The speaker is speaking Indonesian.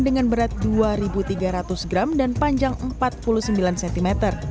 dengan berat dua tiga ratus gram dan panjang empat puluh sembilan cm